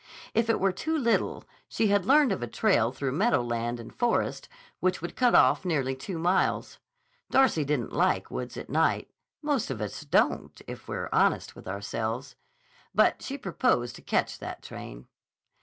If it were too little, she had learned of a trail through meadowland and forest which would cut off nearly two miles. Darcy didn't like woods at night—most of us don't, if we're honest with ourselves—but she proposed to catch that train.